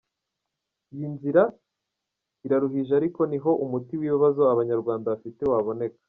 Iyi nzira iraruhije ariko niho umuti w’ibibazo abanyarwanda bafite waboneka.